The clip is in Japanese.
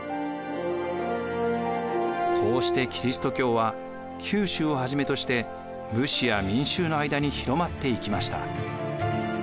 こうしてキリスト教は九州をはじめとして武士や民衆の間に広まっていきました。